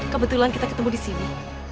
kebetulan kita ketemu di sini